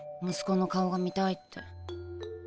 息子の顔が見たいって。